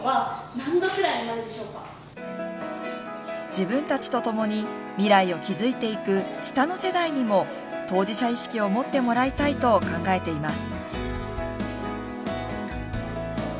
自分たちとともに未来を築いていく下の世代にも当事者意識を持ってもらいたいと考えています。